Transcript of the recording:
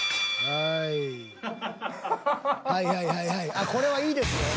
はいはいはいはいあっこれはいいですよ］